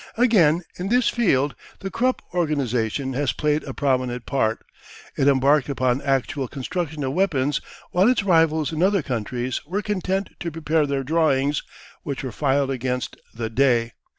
Again, in this field the Krupp Organisation has played a prominent part. It embarked upon actual construction of weapons while its rivals in other countries were content to prepare their drawings, which were filed against "The Day."